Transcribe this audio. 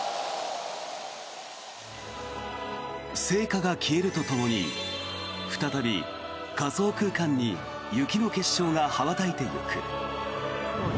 聖火が消えるとともに再び仮想空間に雪の結晶が羽ばたいてゆく。